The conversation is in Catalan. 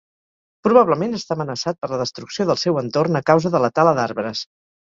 Probablement està amenaçat per la destrucció del seu entorn a causa de la tala d'arbres.